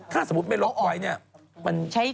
ถ้าสมมุติไม่ลบไว้เนี่ย